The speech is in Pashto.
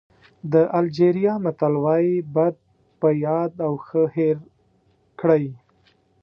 د الجېریا متل وایي بد په یاد او ښه هېر کړئ.